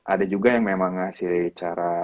ada juga yang memang ngasih cara